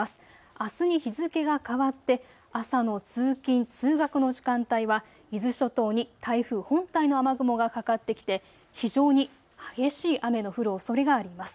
あすに日付が変わって朝の通勤、通学の時間帯は伊豆諸島に台風本体の雨雲がかかってきて非常に激しい雨の降るおそれがあります。